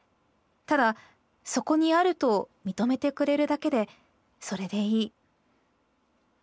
ただそこにあると認めてくれるだけでそれでいい」。